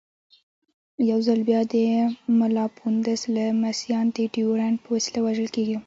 یو ځل بیا د ملا پوونده لمسیان د ډیورنډ په وسیله وژل کېږي.